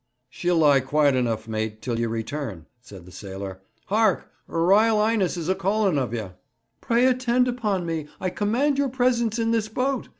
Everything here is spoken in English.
'She'll lie quiet enough, mate, till you return,' said the sailor. 'Hark! Her Ryle 'Ighness is a calling of you.' 'Pray attend upon me! I command your presence in this boat!'